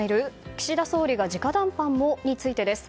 岸田総理が直談判も？についてです。